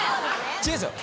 違うんすよ